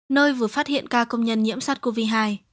nơi vừa phát hiện ca công nhân nhiễm sát covid hai